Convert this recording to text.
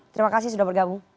terima kasih sudah bergabung